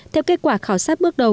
theo kết quả khảo sát bước đầu